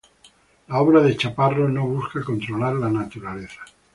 La obra de Chaparro no busca controlar la naturaleza.